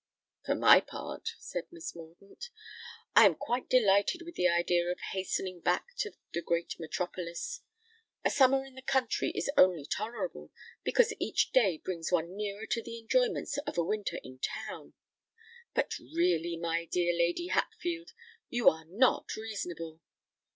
"For my part," said Miss Mordaunt, "I am quite delighted with the idea of hastening back to the great metropolis. A summer in the country is only tolerable because each day brings one nearer to the enjoyments of a winter in town. But really, my dear Lady Hatfield, you are not reasonable.